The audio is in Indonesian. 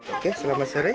oke selamat siang